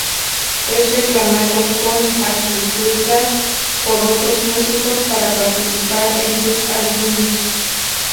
Es reclamado con asiduidad por otros músicos para participar en sus álbumes.